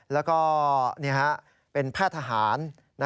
แล้วก็เป็นแพทย์ทหาร